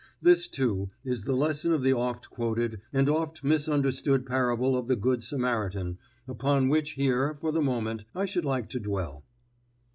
This, too, is the lesson of the oft quoted and oft misunderstood parable of the Good Samaritan, upon which here, for the moment, I should like to dwell.